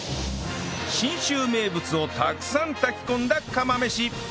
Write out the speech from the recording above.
信州名物をたくさん炊き込んだ釜飯